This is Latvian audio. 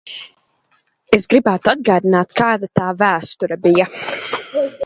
Es gribētu atgādināt, kāda tā vēsture bija.